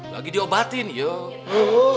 lagi diobatin yuk